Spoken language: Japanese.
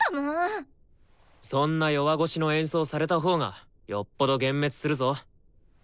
そんな弱腰の演奏されたほうがよっぽど幻滅するぞ。